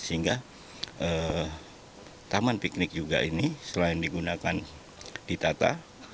sehingga taman piknik juga ini selain digunakan ditata